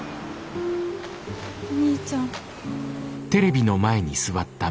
お兄ちゃん。